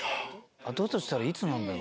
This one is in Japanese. だとしたらいつなんだろう。